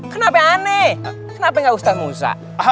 kenapa aneh kenapa enggak ustadz musa